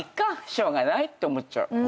しょうがないって思っちゃう。